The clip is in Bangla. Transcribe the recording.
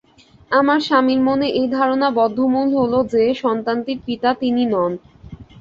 আমার স্বামীর মনে এই ধারণা বদ্ধমূল হল যে সন্তানটির পিতা তিনি নন।